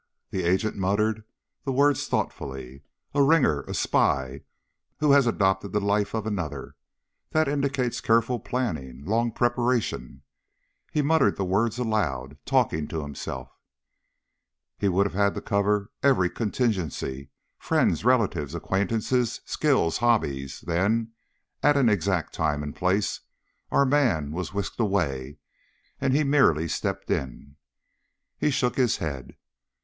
The agent muttered, the words thoughtfully. "A ringer a spy who has adopted the life role of another. That indicates careful planning, long preparation." He muttered the words aloud, talking to himself. "He would have had to cover every contingency friends, relatives, acquaintances, skills, hobbies then, at an exact time and place, our man was whisked away and he merely stepped in." He shook his head.